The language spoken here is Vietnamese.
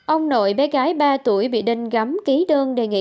ông nội bé gái ba tuổi bị đinh gắm ký đơn đề nghị